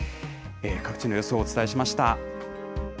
各地の様子をお伝えしました。